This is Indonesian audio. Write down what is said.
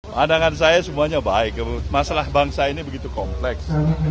pandangan saya semuanya baik masalah bangsa ini begitu kompleks